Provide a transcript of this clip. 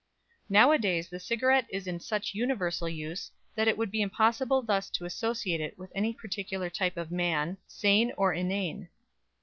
_ Nowadays the cigarette is in such universal use, that it would be impossible thus to associate it with any particular type of man, sane or inane.